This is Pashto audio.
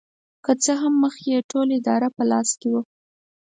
که څه هم مخکې یې ټوله اداره په لاس کې وه.